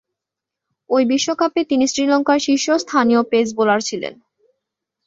ঐ বিশ্বকাপে তিনি শ্রীলঙ্কার শীর্ষস্থানীয় পেস বোলার ছিলেন।